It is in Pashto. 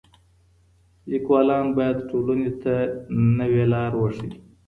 ليکوالان بايد ټولني ته نوې لار وښيي.